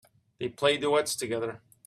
They play duets together.